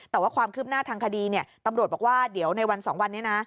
แต่ว่าความคืบหน้าทางคดีตำรวจบอกว่าเดี๋ยวในวัน๒วันนี้นะ